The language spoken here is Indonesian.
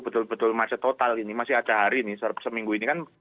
betul betul macet total ini masih ada hari ini seminggu ini kan